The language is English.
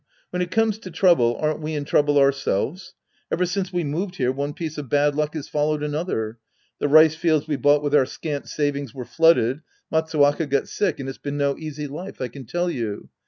When it comes to trouble, aren't we in trouble ourselves ? Ever since we moved here, one piece of bad luck has followed another. The rice fields we bought with our scant savings were flooded, Matsuwaka got sick, and it's been no easy life, I can tell you.